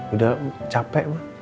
udah capek mah